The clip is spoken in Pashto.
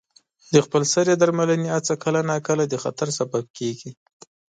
د خپل سرې درملنې هڅه کله ناکله د خطر سبب کېږي.